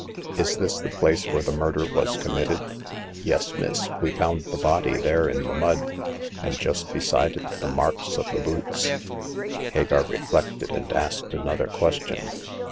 " Is this the place where the murder was committed ?" "Yes, miss ; we found the body there in the mud ; and just beside it the marks of the boots," The Eighth Customer. 217 Hagar reflected, and asked another question.